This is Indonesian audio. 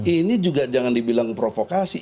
ini juga jangan dibilang provokasi